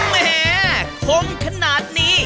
แหมคงขนาดนี้